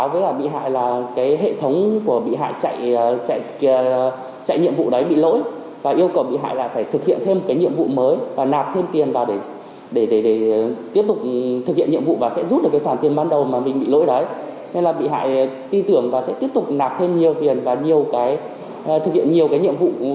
và sẽ tiếp tục nạp thêm nhiều tiền và thực hiện nhiều nhiệm vụ